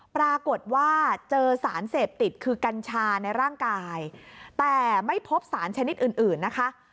ปรากฏว่าเจอสารเสพติดคือกัญชาในร่างกายแต่ไม่พบสารชนิดอื่นนะคะ